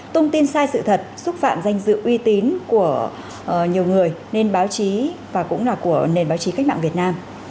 thông tin sai sự thật xúc phạm danh dự uy tín của nhiều người nên báo chí và cũng là của nền báo chí cách mạng việt nam